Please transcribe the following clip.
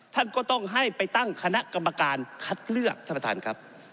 ท่านก็ต้องให้ไปตั้งคณะกรรมการคัดเลือกท่านประธานครับ